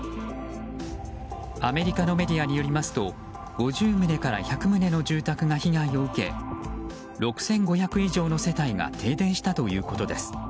アメリカのメディアによりますと５０棟から１００棟の住宅が被害を受け６５００人以上の世帯が停電したということです。